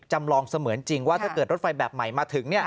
จำลองเสมือนจริงว่าถ้าเกิดรถไฟแบบใหม่มาถึง